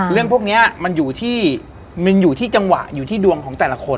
เรื่องพวกนี้มันอยู่ที่มันอยู่ที่จังหวะอยู่ที่ดวงของแต่ละคน